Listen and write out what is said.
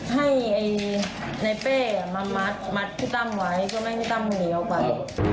ให้ไอ้นายเป้มามัดมัดพี่ตำไว้ก็ไม่ให้พี่ตำคนนี้ออกไป